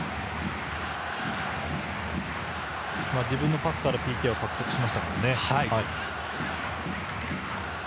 自分のパスからＰＫを獲得しましたからね。